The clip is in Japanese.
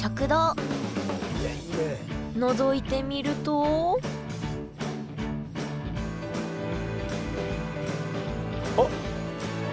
のぞいてみるとあっ！